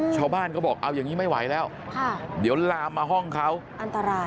ชาวบ้านก็บอกเอาอย่างนี้ไม่ไหวแล้วเดี๋ยวลามมาห้องเขาอันตราย